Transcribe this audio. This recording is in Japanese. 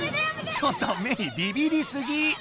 ちょっとメイビビりすぎ！